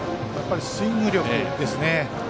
やっぱりスイングの力ですね。